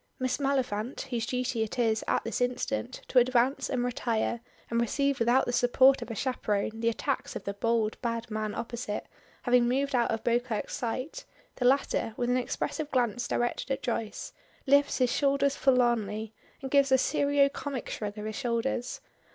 Miss Maliphant, whose duty it is at this instant to advance and retire and receive without the support of a chaperone the attacks of the bold, bad man opposite, having moved out of Beauclerk's sight, the latter, with an expressive glance directed at Joyce, lifts his shoulders forlornly, and gives a serio comic shrug of his shoulders.